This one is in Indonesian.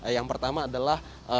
yang pertama adalah